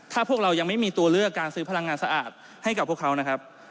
ถ้าพวกเรายังไม่มีตัวเลือกการซื้อพลังงานสะอาดให้กับพวกเขานะครับ